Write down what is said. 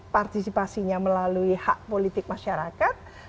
partisipasinya melalui hak politik masyarakat